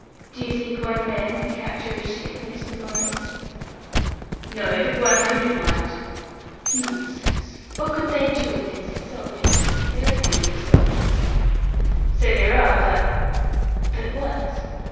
Do you think one man could capture a ship, Mr. Maurice?" "No, but one hundred might." "Nonsense! What could they do against the soldiers? There are fifty soldiers." "So there are, but " "But what?"